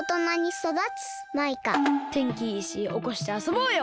てんきいいしおこしてあそぼうよ！